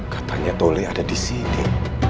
katanya tole ada di sini